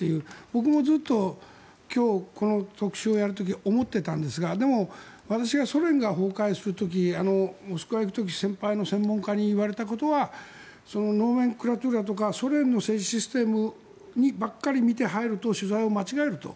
僕もずっと今日、この特集をやる時に思っていたんですがでも私がソ連が崩壊する時モスクワ行く時、先輩の専門家に言われたことはソ連の政治システムばかり見ていると間違えると。